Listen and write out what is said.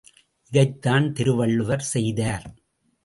இதைத்தான் திருவள்ளுவர் செய்தார்.